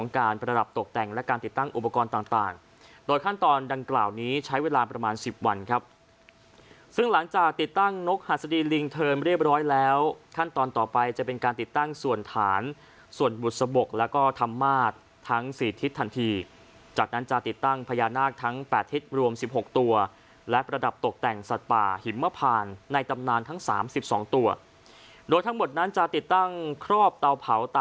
การประดับตกแต่งและการติดตั้งอุปกรณ์ต่างโดยขั้นตอนดังกล่าวนี้ใช้เวลาประมาณ๑๐วันครับซึ่งหลังจากติดตั้งนกฮัสดีลิงค์เทิร์นเรียบร้อยแล้วขั้นตอนต่อไปจะเป็นการติดตั้งส่วนฐานส่วนบุษบกและก็ธรรมาสทั้ง๔ทิศทันทีจากนั้นจะติดตั้งพญานาคทั้ง๘ทิศรวม๑๖ตัวและประดับตกแต่